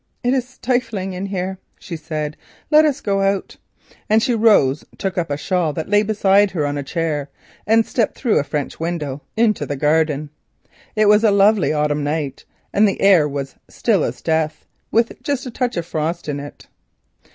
"It is stifling in here," she said, "let us go out." She rose, took up a shawl that lay beside her on a chair, and stepped through the French window into the garden. It was a lovely autumn night, and the air was still as death, with just a touch of frost in it.